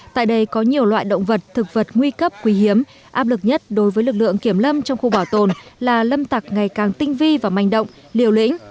tại đây có nhiều loại động vật thực vật nguy cấp quý hiếm áp lực nhất đối với lực lượng kiểm lâm trong khu bảo tồn là lâm tặc ngày càng tinh vi và manh động liều lĩnh